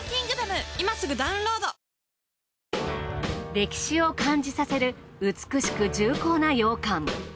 歴史を感じさせる美しく重厚な洋館。